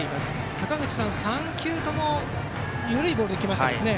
坂口さん、３球とも緩いボールで来ましたね。